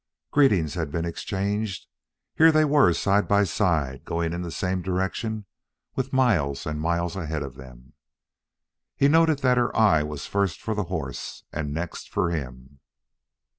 Greetings had been exchanged; here they were side by side and going in the same direction with miles and miles ahead of them. He noted that her eye was first for the horse and next for him.